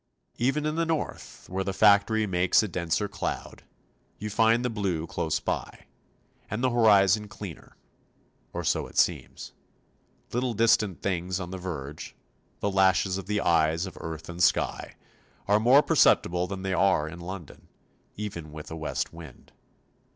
Even in the north, where the factory makes a denser cloud, you find the blue close by, and the horizon cleaner, or so it seems. Little distant things on the verge, the lashes of the eyes of earth and sky, are more perceptible than they are in London, even with a west wind.